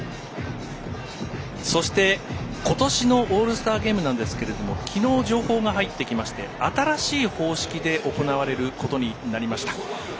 そして、ことしのオールスターゲームなんですがきのう情報が入ってきまして新しい方式で行われることになりました。